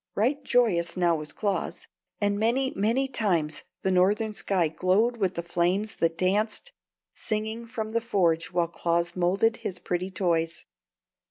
Right joyous now was Claus; and many, many times the Northern sky glowed with the flames that danced singing from the forge while Claus moulded his pretty toys.